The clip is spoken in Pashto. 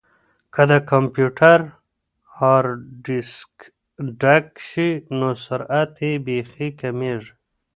که د کمپیوټر هارډیسک ډک شي نو سرعت یې بیخي کمیږي.